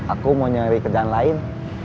aku mau nyari kerjaan lain